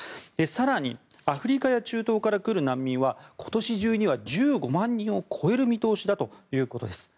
更にアフリカや中東から来る難民は今年中には１５万人を超える見通しだということです。